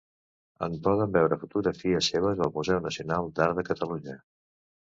Es poden veure fotografies seves al Museu Nacional d'Art de Catalunya.